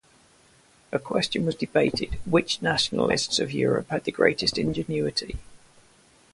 A question was debated, which nationalist of Europe had the greatest ingenuity.